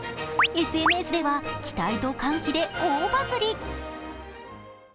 ＳＮＳでは、期待と歓喜で大バズり。